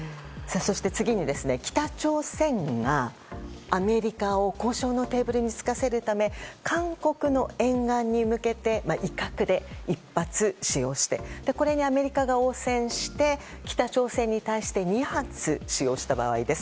次に、北朝鮮がアメリカを交渉のテーブルにつかせるため韓国の沿岸に向けて威嚇で１発使用してこれにアメリカが応戦して北朝鮮に対して２発使用した場合です。